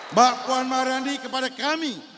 mbak puan marandi kepada kami